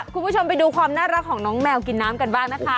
คุณผู้ชมไปดูความน่ารักของน้องแมวกินน้ำกันบ้างนะคะ